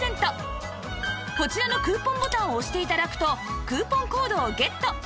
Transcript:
こちらのクーポンボタンを押して頂くとクーポンコードをゲット